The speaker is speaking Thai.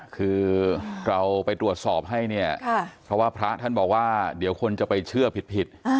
คือเราไปตรวจสอบให้เนี่ยเพราะว่าพระท่านบอกว่าเดี๋ยวคนจะไปเชื่อผิด